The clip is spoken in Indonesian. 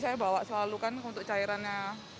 saya bawa selalu kan untuk cairannya